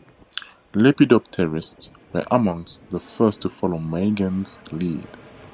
Lepidopterists were amongst the first to follow Meigen's lead.